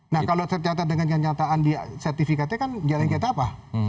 nah kalau tercatat dengan kenyataan di sertifikatnya kan jalan kita apa